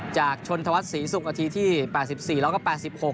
จากชนธวัฒนศรีศุกร์อาทีที่แปดสิบสี่แล้วก็แปดสิบหก